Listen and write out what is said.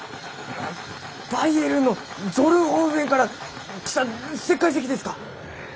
あバイエルンのゾルンホーフェンから来た石灰石ですか？